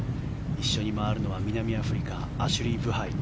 一緒に回るのは南アフリカアシュリー・ブハイ。